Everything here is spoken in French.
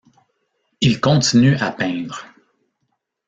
Il continue à peindre.